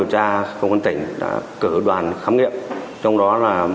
huyện cà rung lô